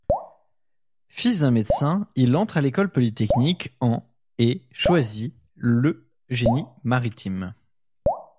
Fils d'un médecin, il entre à l'École polytechnique en et choisit le génie maritime.